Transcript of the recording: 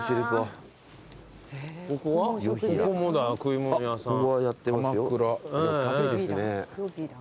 ここはやってますよ。